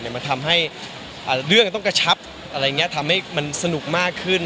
มันทำให้เรื่องต้องกระชับทำให้มันสนุกมากขึ้น